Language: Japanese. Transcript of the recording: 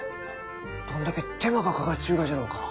どんだけ手間がかかっちゅうがじゃろうか？